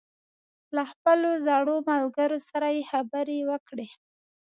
له خپلو زړو ملګرو سره یې خبرې وکړې.